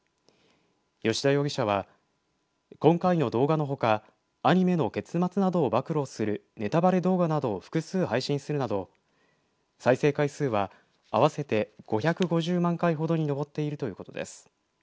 吉田容疑者は今回の動画のほかアニメの結末などを暴露するネタバレ動画などを複数配信するなど再生回数は合わせて５５０万回ほどに上っているということです。